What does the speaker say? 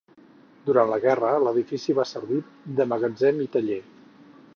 Durant la guerra l'edifici va servir de magatzem i taller.